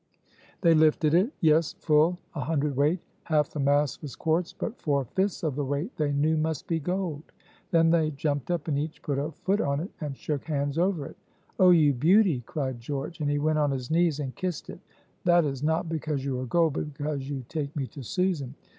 They lifted it. Yes, full a hundredweight; half the mass was quartz, but four fifths of the weight they knew must be gold. Then they jumped up and each put a foot on it, and shook hands over it. "Oh, you beauty!" cried George, and he went on his knees and kissed it; "that is not because you are gold, but because you take me to Susan.